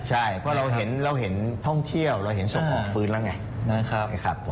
ใช่เพราะเราเห็นท่องเที่ยวเราเห็นศพฟื้นแล้วไง